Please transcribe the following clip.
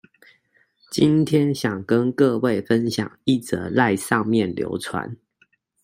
今天想跟各位分享一則賴上面流傳